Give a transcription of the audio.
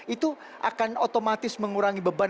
itu akan otomatis mengurangi beban